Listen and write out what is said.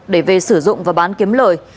để về sử dụng và bán kiếm lợi